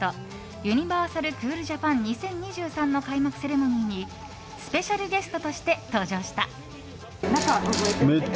ユニバーサル・クールジャパン２０２３の開幕セレモニーにスペシャルゲストとして登場した。